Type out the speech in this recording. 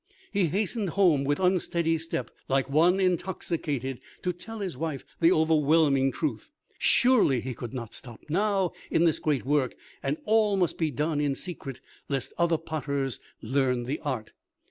He hastened home with unsteady step, like one intoxicated, to tell his wife the overwhelming truth. Surely he could not stop now in this great work; and all must be done in secret, lest other potters learn the art.